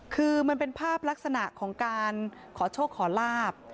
คือมันเป็นภาพลักษณะของการขอโชคขอลาบ